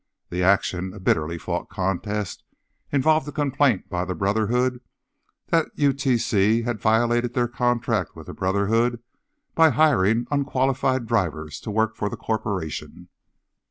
The action, a bitterly fought contest, involved a complaint by the Brotherhood that UTC had violated their contract with the Brotherhood by hiring "unqualified drivers" to work for the corporation.